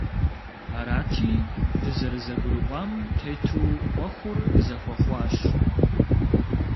Арати, дызэрызэгурыӀуам тету Ӏуэхур зэхуэхъуащ.